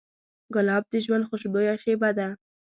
ګلاب د ژوند خوشبویه شیبه ده.